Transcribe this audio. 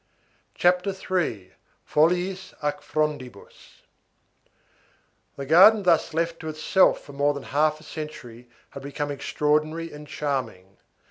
CHAPTER III—FOLIIS AC FRONDIBUS The garden thus left to itself for more than half a century had become extraordinary and charming.